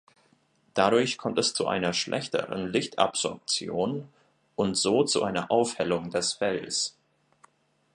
Dadurch kommt es zu einer schlechteren Lichtabsorption und so zu einer Aufhellung des Fells.